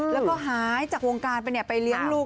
และก็หายจากโบรการไปเลี้ยนลูก